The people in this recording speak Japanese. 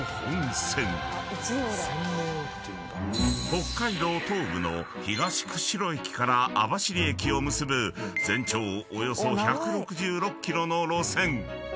［北海道東部の東釧路駅から網走駅を結ぶ全長およそ１６６ｋｍの路線］